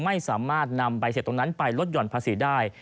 ไม่สามารถนำใบเสร็จตรงนั้นไปลดหย่อนภาษีได้